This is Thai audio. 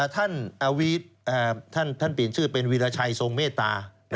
ท่านอาวิทย์ท่านเปลี่ยนชื่อเป็นวิราชัยทรงเมตตา